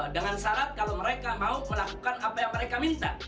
dengan syarat kalau mereka mau melakukan apa yang mereka minta